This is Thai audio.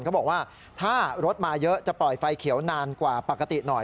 เขาบอกว่าถ้ารถมาเยอะจะปล่อยไฟเขียวนานกว่าปกติหน่อย